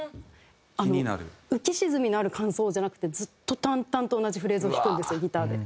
浮き沈みのある間奏じゃなくてずっと淡々と同じフレーズを弾くんですよギターで。